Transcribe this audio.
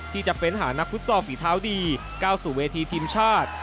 จะเฟ้นหานักฟุตซอลฝีเท้าดีก้าวสู่เวทีทีมชาติ